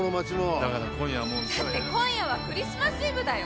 今夜はクリスマスイブだよ！